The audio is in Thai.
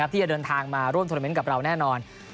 ที่จะเดินทางมาร่วมโทรเมนต์กับเราแน่นอน